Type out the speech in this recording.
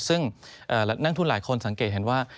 ซึ่งนักทุนหลายคนสังเกตเห็นว่า